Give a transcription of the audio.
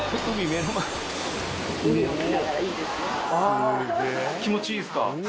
あぁ気持ちいいですか。